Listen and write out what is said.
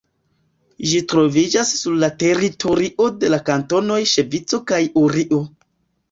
Ĝi troviĝas sur la teritorio de la kantonoj Ŝvico kaj Urio.